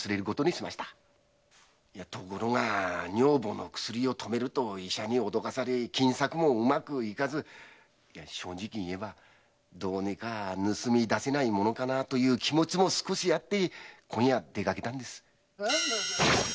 しかし医者に「女房の薬を止める」と脅かされ金策もうまくいかず正直言えばどうにか盗み出せないものかなという気持ちもあって今夜出かけたんです。